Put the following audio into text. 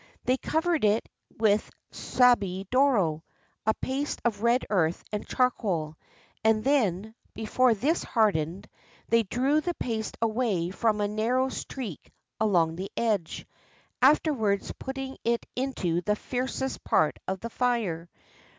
They covered it with sdbi doro, a paste of red earth and charcoal, and then, before this hardened, they drew the paste away from a narrow streak along the edge, afterwards putting it into the fiercest part of the fire.